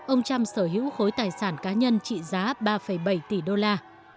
ông trump sở hữu khối tài sản cá nhân trị giá ba bảy tỷ đô la